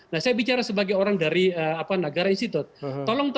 nah saya bicara sebagai orang dari apa negara istri tapi saya menanggung itu